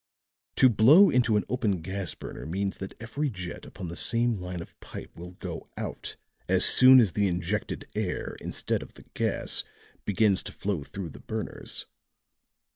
To blow into an open gas burner means that every jet upon the same line of pipe will go out as soon as the injected air instead of the gas begins to flow through the burners.